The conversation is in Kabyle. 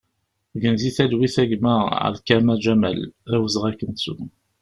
Gen di talwit a gma Alkama Ǧamal, d awezɣi ad k-nettu!